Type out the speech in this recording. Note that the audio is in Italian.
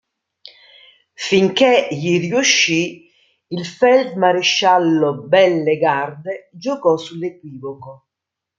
Finché gli riuscì, il feldmaresciallo Bellegarde giocò sull'equivoco.